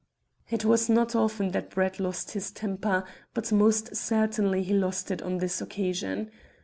It was not often that Brett lost his temper, but most certainly he lost it on this occasion.